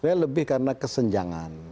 sebenarnya lebih karena kesenjangan